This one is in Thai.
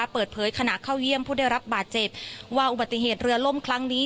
เปิดเผยขณะเข้าเยี่ยมผู้ได้รับบาดเจ็บว่าอุบัติเหตุเรือล่มครั้งนี้